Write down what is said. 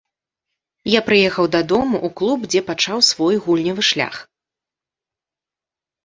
Я прыехаў дадому, у клуб, дзе пачаў свой гульнявы шлях.